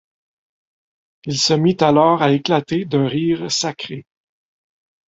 Il se mit alors à éclater d’un rire sacré.